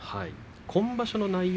今場所の内容